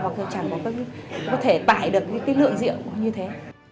hoặc là chẳng có thể tải được cái lượng rượu như thế